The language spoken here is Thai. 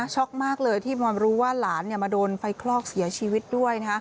มากเลยที่มารู้ว่าหลานมาโดนไฟคลอกเสียชีวิตด้วย